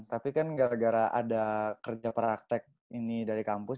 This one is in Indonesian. tapi kan gara gara ada kerja praktek ini dari kampus